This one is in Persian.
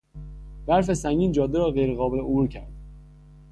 برف سنگین جاده را غیر قابل عبور کرد.